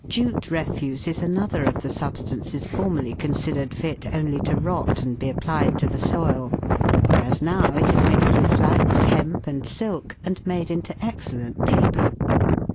Jute refuse is another of the substances formerly con sidered fit only to rot and be applied to the soil, whereas now it is mixed with flax, hemp, and silk, and made into excellent paper.